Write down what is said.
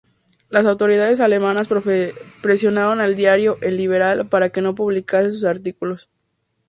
Las autoridades alemanas presionaron al diario "El Liberal" para que no publicase sus artículos.